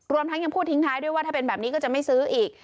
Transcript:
ทั้งยังพูดทิ้งท้ายด้วยว่าถ้าเป็นแบบนี้ก็จะไม่ซื้ออีก